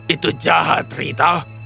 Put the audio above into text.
itu jahat rita